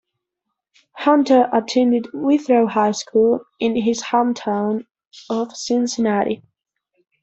Hunter attended Withrow High School in his hometown of Cincinnati.